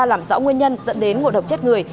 làm rõ nguyên nhân dẫn đến ngộ độc chết người